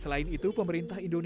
selain itu pemerintah indonesia